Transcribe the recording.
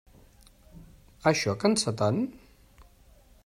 Això cansa tant?